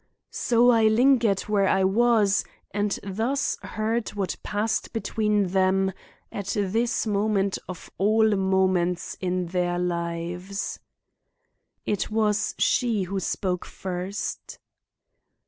So I lingered where I was and thus heard what passed between them at this moment of all moments ire their lives. "It was she who spoke first.